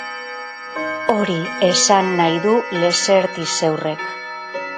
Hori esan nahi du Lessertisseur-ek.